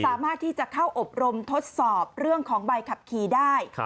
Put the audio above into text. สามารถที่จะเข้าอบรมทดสอบเรื่องของใบขับขี่ได้